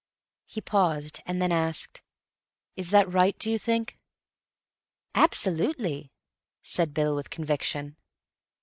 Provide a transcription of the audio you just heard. He paused, and then asked, "Is that right, do you think?" "Absolutely," said Bill with conviction.